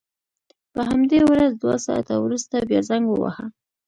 په همدې ورځ دوه ساعته وروسته بیا زنګ وواهه.